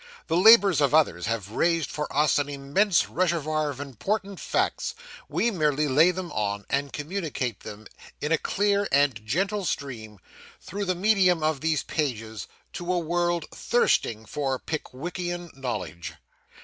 The labours of others have raised for us an immense reservoir of important facts. We merely lay them on, and communicate them, in a clear and gentle stream, through the medium of these pages, to a world thirsting for Pickwickian knowledge.